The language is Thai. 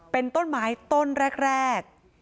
เป็นต้นไม้ต้นแรก